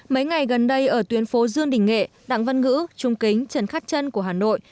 mấy ngày gần đây ở tuyến phố dương đình nghệ đặng văn ngữ trung kính trần khắc trân của hà nội